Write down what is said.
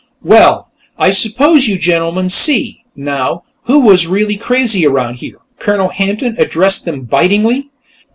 "Well, I suppose you gentlemen see, now, who was really crazy around here?" Colonel Hampton addressed them bitingly.